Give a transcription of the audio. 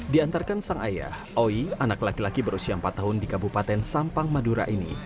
diantarkan sang ayah oi anak laki laki berusia empat tahun di kabupaten sampang madura ini